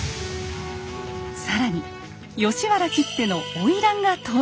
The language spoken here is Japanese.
更に吉原きっての花魁が登場！